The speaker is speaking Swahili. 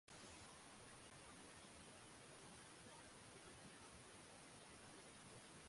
Ulipofika muda wa chakula cha mchana wakiwa huko Masiaka walipata